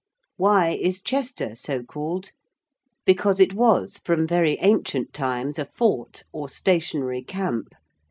Why is Chester so called? Because it was from very ancient times a fort, or stationary camp (L.